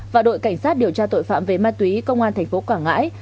và đội cảnh sát điều tra tội phạm về ma túy công an tp quảng ngãi